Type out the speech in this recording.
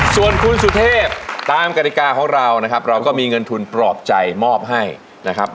ส่วนคุณสุเทพตามกฎิกาของเรานะครับเราก็มีเงินทุนปลอบใจมอบให้นะครับ